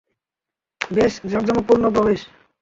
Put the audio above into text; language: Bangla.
বেশ জাঁকজমকপূর্ণ প্রবেশ!